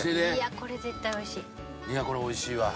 「これ絶対おいしい」